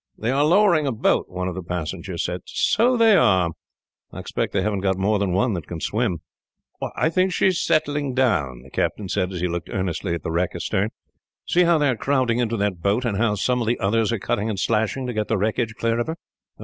"They are lowering a boat," one of the passengers said. "So they are. I expect they haven't got more than one that can swim. "I think she is settling down," the captain said, as he looked earnestly at the wreck astern. "See how they are crowding into that boat, and how some of the others are cutting and slashing, to get the wreckage clear of her."